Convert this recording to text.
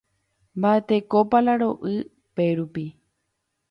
Mba'etekópa la ro'y pérupi.